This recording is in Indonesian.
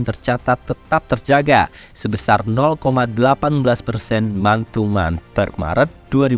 tercatat tetap terjaga sebesar delapan belas persen mantuman per maret dua ribu dua puluh